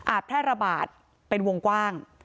แพร่ระบาดเป็นวงกว้าง